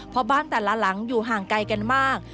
เพราะบ้านแต่ละหลังอยู่ห่างไกลกันมาก